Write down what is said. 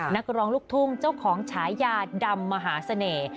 นักร้องลูกทุ่งเจ้าของฉายาดำมหาเสน่ห์